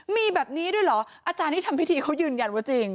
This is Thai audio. มีแบบนี้ด้วยเหรออาจารย์ที่ทำพิธีเขายืนยันว่าจริง